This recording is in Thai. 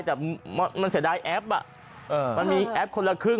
แต่มันเสียดายแอปมันมีแอปคนละครึ่ง